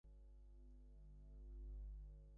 তিনি নিজেই আমার চিকিৎসা আরম্ভ করিলেন।